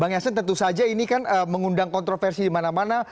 bang yassen tentu saja ini kan mengundang kontroversi di mana mana